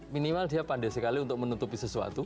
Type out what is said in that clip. minimal dia pandai sekali untuk menutupi sesuatu